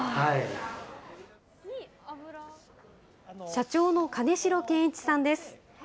社長の金城健一さんです。